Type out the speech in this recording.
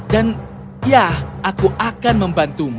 dan ya aku akan membantumu